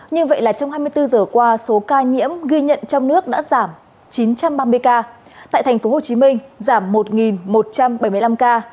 nhưng vậy là trong hai mươi bốn giờ qua số ca nhiễm ghi nhận trong nước đã giảm chín trăm ba mươi ca tại thành phố hồ chí minh giảm một một trăm bảy mươi năm ca